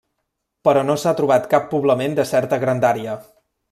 Però no s'ha trobat cap poblament de certa grandària.